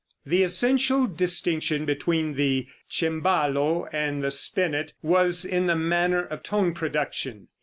The essential distinction between the cembalo and the spinet was in the manner of tone production.